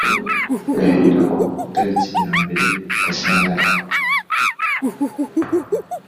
gahera ku itariki ya mbere Gashyantare